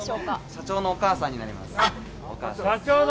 社長のお母さんになります。